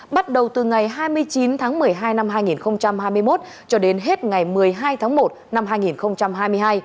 bắt đầu từ ngày hai mươi chín tháng một mươi hai năm hai nghìn hai mươi một cho đến hết ngày một mươi hai tháng một năm hai nghìn hai mươi hai